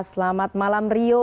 selamat malam rio